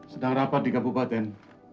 sedang rapat di kabupaten